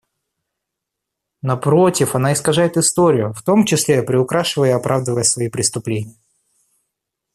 Напротив, она искажает историю, в том числе приукрашивая и оправдывая свои преступления.